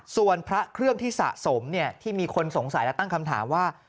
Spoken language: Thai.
ส่วนพระเครื่องที่สะสมที่มีคนสงสัยและตั้งคำถามว่า